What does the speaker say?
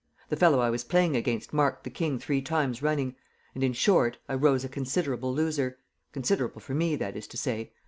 The fellow I was playing against marked the king three times running; and, in short, I rose a considerable loser considerable for me, that is to say.